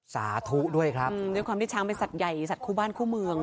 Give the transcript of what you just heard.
สาธุด้วยครับด้วยความที่ช้างเป็นสัตว์ใหญ่สัตว์คู่บ้านคู่เมือง